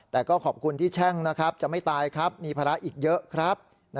แต่ก็ขอบคุณที่แช่งนะครับจะไม่ตายครับมีภาระอีกเยอะครับ